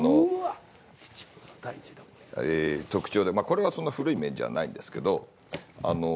これはそんな古い面じゃないんですけど。